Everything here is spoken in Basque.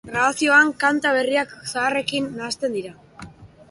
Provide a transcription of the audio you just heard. Grabazioan kanta berriak zaharrekin nahasten dira.